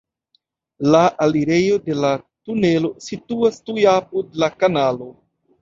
La alirejo de la tunelo situas tuj apud la kanalo.